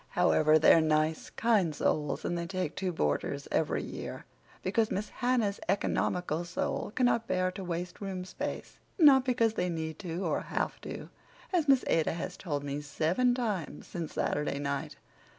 However, they're nice, kind souls, and they take two boarders every year because Miss Hannah's economical soul cannot bear to 'waste room space'—not because they need to or have to, as Miss Ada has told me seven times since Saturday night.